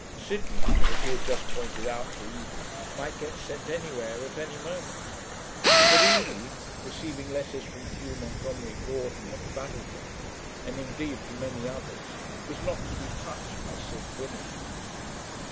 Sidney, as he had just pointed out to Evie, might get sent anywhere at any moment. But Evie, receiving letters from Hugh Montgomery Gordon at the battle front, and, indeed, from many others, was not to be touched by Sid Vinney.